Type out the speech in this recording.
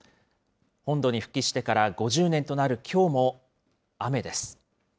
本土に復帰してから５０年となるきょうも、雨です。